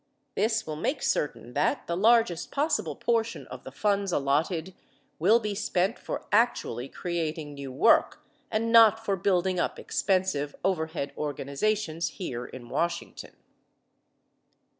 This will make certain that the largest possible portion of the funds allotted will be spent for actually creating new work and not for building up expensive overhead organizations here in Washington.